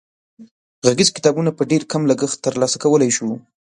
غږیز کتابونه په ډېر کم لګښت تر لاسه کولای شو.